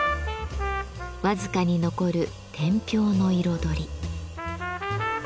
僅かに残る天平の彩り。